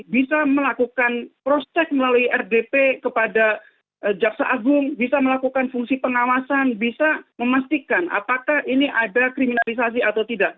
bisa melakukan cross check melalui rdp kepada jaksa agung bisa melakukan fungsi pengawasan bisa memastikan apakah ini ada kriminalisasi atau tidak